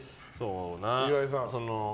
岩井さん。